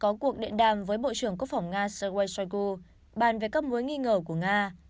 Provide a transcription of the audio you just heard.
có cuộc điện đàm với bộ trưởng quốc phòng nga serge shoigu bàn về các mối nghi ngờ của nga